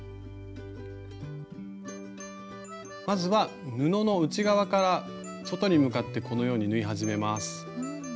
まずは布の内側から外に向かってこのように縫い始めます。